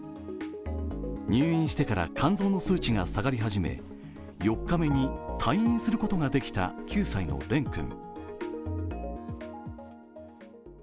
入院してから肝臓の数値が下がり始め４日目に退院することができた９歳の蓮君。